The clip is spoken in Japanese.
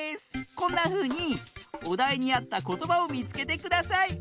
こんなふうにおだいにあったことばをみつけてください！